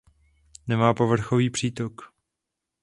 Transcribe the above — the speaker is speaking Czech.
Nemá povrchový přítok.